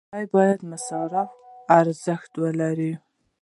لومړی باید مصرفي ارزښت ولري.